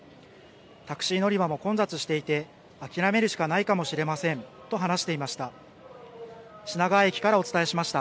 タクシー乗り場も混雑していて諦めるしかないかもしれませんと話していました。